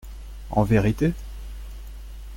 En vérité ?